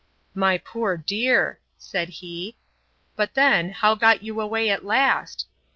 My poor dear, said he. But then, how got you away at last?